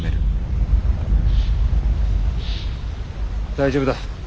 大丈夫だ。